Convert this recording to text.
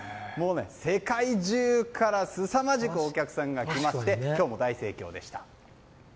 世界中からすさまじくお客さんが来まして今日も大盛況でした。